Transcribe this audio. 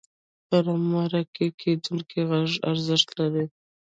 د مرکه کېدونکي غږ ارزښت لري.